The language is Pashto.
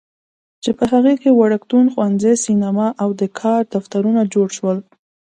چې په هغې کې وړکتون، ښوونځی، سینما او د کار دفترونه جوړ شول.